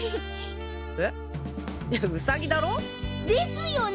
ウサギだろ？ですよね！